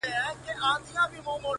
اوس مي له هري لاري پښه ماته ده!